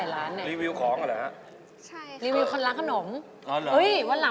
รีวิวให้เลยดีล่ะ